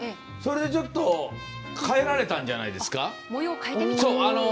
それで、ちょっと替えられたんじゃないですか。